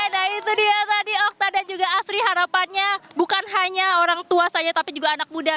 nah itu dia tadi okta dan juga asri harapannya bukan hanya orang tua saja tapi juga anak muda